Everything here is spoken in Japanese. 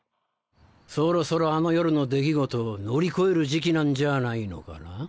そろそろあの夜の出来事を乗り越える時期なんじゃないのかな。